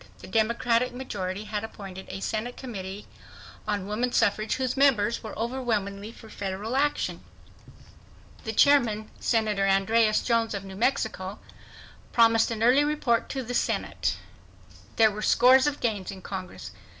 The Democratic majority had appointed a Senate Committee on Woman Suffrage whose members were overwhelmingly for federal action. The chairman, Senator Andreas Jones of New Mexico, promised an early report to the Senate. There were scores of gains in Congress.